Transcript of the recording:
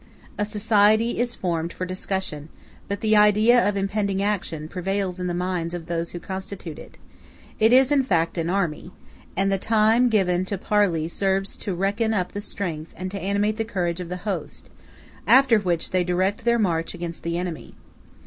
A society is formed for discussion, but the idea of impending action prevails in the minds of those who constitute it: it is, in fact, an army; and the time given to parley serves to reckon up the strength and to animate the courage of the host, after which they direct their march against the enemy.